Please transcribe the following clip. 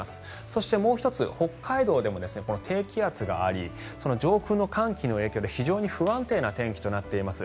そして、もう１つ北海道でも低気圧がありその上空の寒気の影響で非常に不安定な天気となっています。